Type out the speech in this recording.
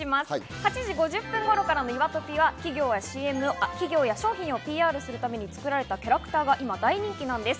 ８時５０分頃からのいわトピや企業や商品をＰＲするために作られたキャラクターが今、大人気です。